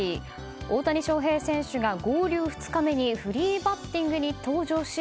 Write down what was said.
大谷翔平選手が合流２日目にフリーバッティングに登場し